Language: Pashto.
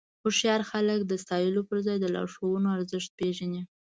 هوښیار خلک د ستایلو پر ځای د لارښوونو ارزښت پېژني.